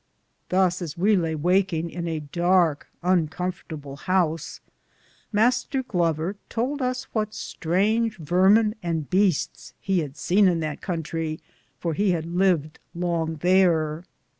Thus as we laye wakinge in a Darke uncomfortable house, Mr. Glover tould us what strainge varmen and beastes he had sene in that contrie, for he had lived longe thare.